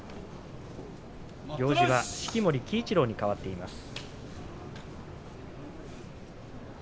行司は式守鬼一郎に替わっています。